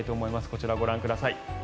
こちら、ご覧ください。